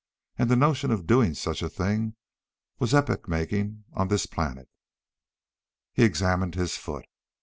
And the notion of doing such a thing was epoch making on this planet! He examined his foot.